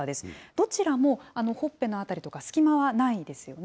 どちらも、ほっぺの辺りとか、隙間はないですよね。